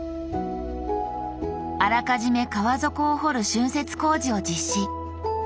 あらかじめ川底を掘る浚渫工事を実施。